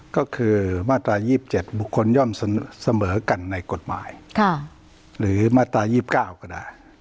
ก็คือมาตรายีบเจ็ดบุคคลย่อมเสมอกันในกฎหมายค่ะหรือมาตรายีบเก้าก็ได้